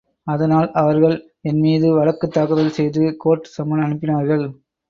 அதனால் அவர்கள் என்மீது வழக்கு தாக்கல் செய்து கோர்ட் சம்மன் அனுப்பினார்கள்.